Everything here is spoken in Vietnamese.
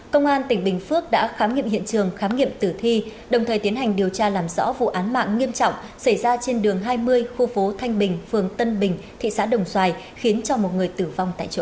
công an tỉnh bình phước đã khám nghiệm hiện trường khám nghiệm tử thi đồng thời tiến hành điều tra làm rõ vụ án mạng nghiêm trọng xảy ra trên đường hai mươi khu phố thanh bình phường tân bình thị xã đồng xoài khiến cho một người tử vong tại chỗ